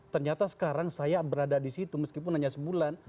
ternyata sekarang saya berada di situ meskipun hanya sebulan